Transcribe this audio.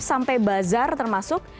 sampai bazar termasuk